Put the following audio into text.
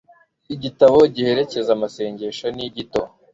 igitabo giherekeza amasengesho ni gito